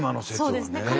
そうですね。